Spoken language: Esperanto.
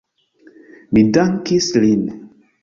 Mi dankis lin.